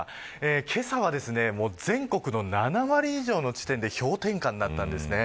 けさは全国の７割以上の地点で氷点下になったんです。